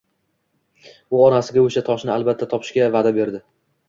U onasiga o`sha toshni albatta topishga va`da berdi